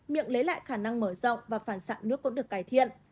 miệng lấy lại khả năng mở rộng và phản xạ nước cũng được cải thiện